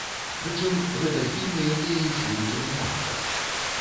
Прычым гэта фільмы, якія ішлі ў кінатэатрах.